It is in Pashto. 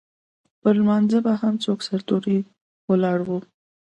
پر لمانځه به هم څوک سرتور سر ولاړ وو.